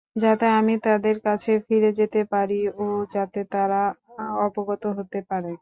যাতে আমি তাদের কাছে ফিরে যেতে পারি ও যাতে তারা অবগত হতে পারে।